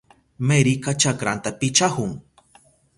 Meryka chakranta pichahun.